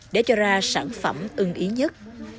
để cho ra sản phẩm ưng ý nhất